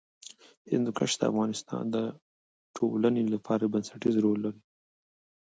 هندوکش د افغانستان د ټولنې لپاره بنسټيز رول لري.